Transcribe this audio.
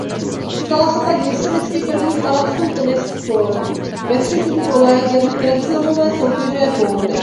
Stala se tak historicky první arabskou tenistkou ve třetím kole grandslamové soutěže dvouhry.